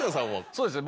そうですね